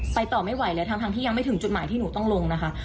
ไปต่อไม่ไหวเลยมันยังไม่ถึงจุดหมายที่หนูต้องลงนะคะ